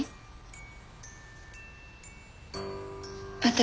私。